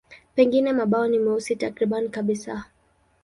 Pengine mabawa ni meusi takriban kabisa.